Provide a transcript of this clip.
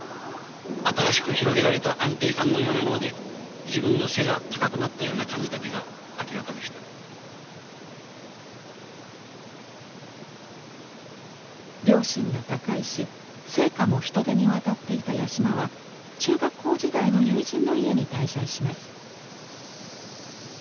新しく広げられた安定感のようなもので自分の背が高くなったような感じだけが明らかでした両親が他界し生家も人手に渡っていた八島は中学校時代の友人の家に滞在します。